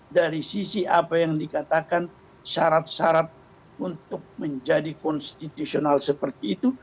dari sisi apa yang dikatakan syarat syarat untuk menjadi konstitusional seperti itu